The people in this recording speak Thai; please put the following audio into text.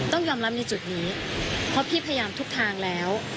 ต้องยอมรับในจุดนี้เพราะพี่พยายามทุกทางแล้ว